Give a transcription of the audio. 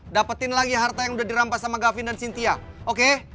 dapetin lagi harta yang udah dirampas sama gavin dan cynthia oke